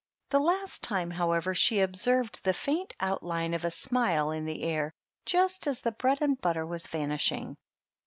The last time, however, she observed the faint outline of a smile in the air just as the bread and butter was vanishing.